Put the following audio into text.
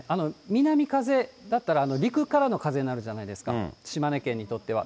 南風だったら、陸からの風になるじゃないですか、島根県にとっては。